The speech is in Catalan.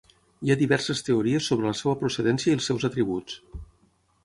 Hi ha diverses teories sobre la seva procedència i els seus atributs.